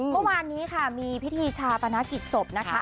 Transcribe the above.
เมื่อวานนี้ค่ะมีพิธีชาปนกิจศพนะคะ